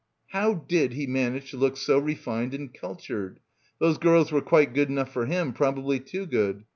" How did he manage to look so refined and cul tured? Those girls were quite good enough for him, probably too good.